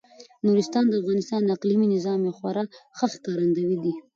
نورستان د افغانستان د اقلیمي نظام یو خورا ښه ښکارندوی دی.